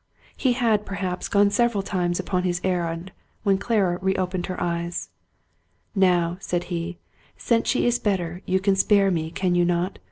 He had, perhaps, gone several times upon this errand, when Clara reopened her eyes. " Now," said he, " since she is better, you can spare me, can you not?